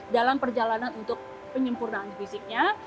dalam perjalanan untuk penyempurnaan fisiknya